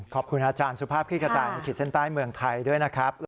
ขอบคุณอาจารย์สุภาพคลิกกระจายในขีดเส้นใต้เมืองไทยด้วยนะครับ